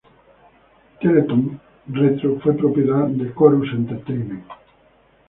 Teletoon Retro fue propiedad de Corus Entertainment.